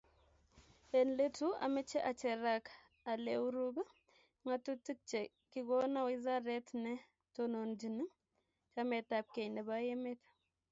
enletu ameche acherak aleorub ng'atutik che kikonu wizaret ne tononchini chametabgei nebo emet